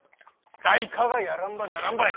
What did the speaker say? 誰かがやらんばならんばい。